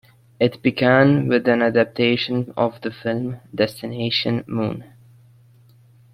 It began with an adaptation of the film "Destination Moon".